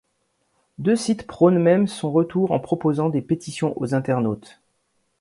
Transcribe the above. Deux sites prônent même son retour en proposant des pétitions aux internautes.